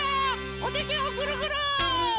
おててをぐるぐる！